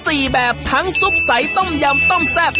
แบบทั้งซุปใสต้มยำต้มแซ่บ